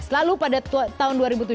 lalu pada tahun dua ribu tujuh belas